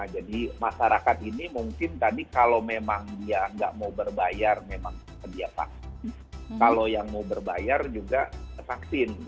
jadi ingin di katakan